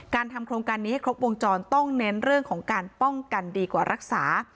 ทำโครงการนี้ให้ครบวงจรต้องเน้นเรื่องของการป้องกันดีกว่ารักษา